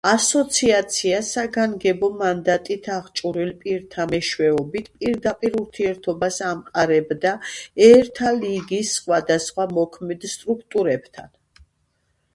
ასოციაცია საგანგებო მანდატით აღჭურვილ პირთა მეშვეობით პირდაპირ ურთიერთობას ამყარებდა ერთა ლიგის სხვადასხვა მოქმედ სტრუქტურებთან.